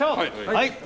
・はい。